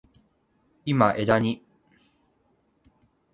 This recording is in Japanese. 今、技に…。